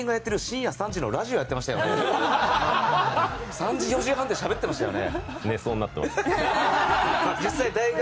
３時４時半でしゃべってましたよね。